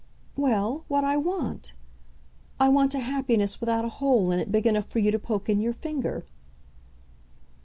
"Well, what I want. I want a happiness without a hole in it big enough for you to poke in your finger."